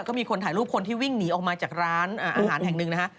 ก็มีคนถ่ายรูปคนที่วิ่งหนีออกมาจากร้านอาหารแห่งหนึ่งนะฮะ